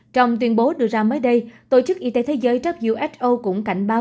trong tuyên bố đưa ra mới đây tổ chức y tế thế giới who cũng cảnh báo